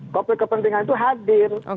konflik kepentingan itu hadir